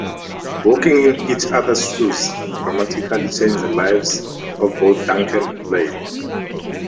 Walking in each other's shoes dramatically changed the lives of both Duncan and Blade.